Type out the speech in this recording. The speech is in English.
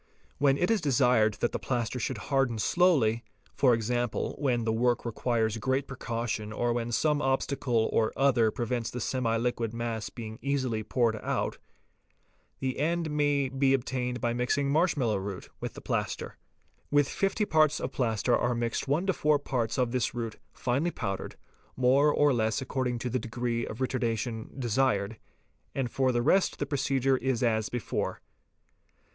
When it is desired that the plaster should harden slowly, for example, when the work requires great precaution or when some obstacle or other prevents the semiliquid mass being easily poured out, the end may be attained by mixing marsh mallow root with the plaster. With 50 parts of plaster are mixed 1 to 4 parts of this root finely powdered, more or less according to the degree of retardation desired, and for the rest the procedure is as before.